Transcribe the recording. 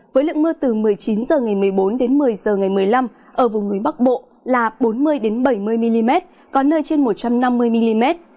với lượng mưa từ một mươi chín h ngày một mươi bốn đến một mươi h ngày một mươi năm ở vùng núi bắc bộ là bốn mươi bảy mươi mm có nơi trên một trăm năm mươi mm